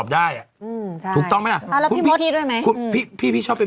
ดีด้วยไหม